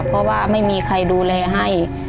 เพราะว่าไม่มีใครดูแลให้